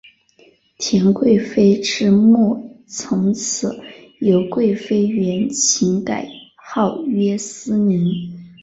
田贵妃之墓从此由贵妃园寝改号曰思陵。